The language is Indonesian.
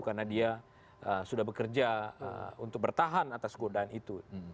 karena dia sudah bekerja untuk bertahan atas godaan itu